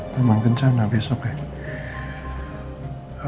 teman teman kemana besok ya